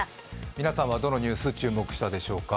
皆さんはどのニュース、注目したでしょうか？